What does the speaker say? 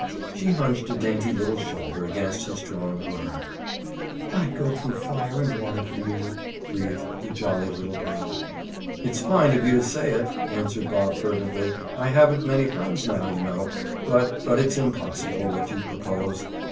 She hunched a dainty little shoulder against his strong arm. "I'd go through fire and water for you," breathed the jolly little pal. "It's fine of you to say it," answered Bob fervently. "I haven't many friends now, you know. But—but it's impossible, what you propose.